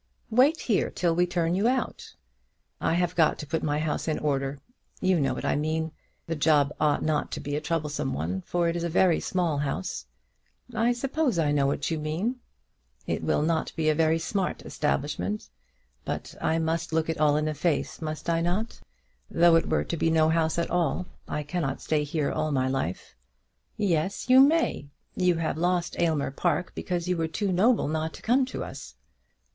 "Wait here till we turn you out." "I have got to put my house in order. You know what I mean. The job ought not to be a troublesome one, for it is a very small house." "I suppose I know what you mean." "It will not be a very smart establishment. But I must look it all in the face; must I not? Though it were to be no house at all, I cannot stay here all my life." "Yes, you may. You have lost Aylmer Park because you were too noble not to come to us."